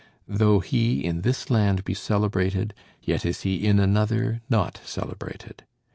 Though he in this land be celebrated, yet is he in another not celebrated.